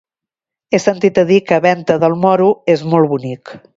He sentit a dir que Venta del Moro és molt bonic.